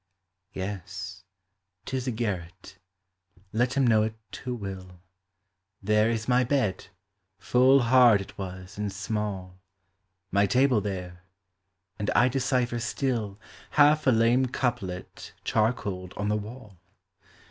Yes; 't is a garret — let him know 't who will — There is my bed — full hard it was and small ; My table there — and I decipher still Half a lame couplet charcoaled on the wall.